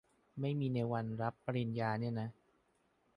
ไม่มีในวันรับปริญญาเนี่ยนะ ?